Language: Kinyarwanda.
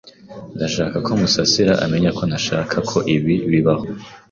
Ndashaka ko Musasira amenya ko ntashakaga ko ibi bibaho.